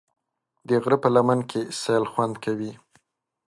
د غره په لمن کې سیل خوند کوي.